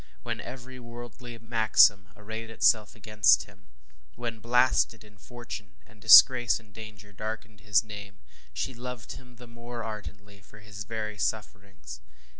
When every worldly maxim arrayed itself against him; when blasted in fortune, and disgrace and danger darkened around his name, she loved him the more ardently for his very sufferings.